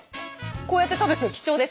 こうやって食べるの貴重です。